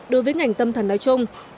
đối với ngành tâm thần nói chung